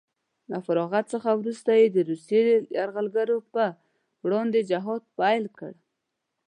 له فراغت څخه وروسته یې د روسیې یرغلګرو په وړاندې جهاد پیل کړ